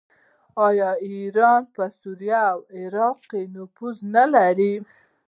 آیا ایران په سوریه او عراق کې نفوذ نلري؟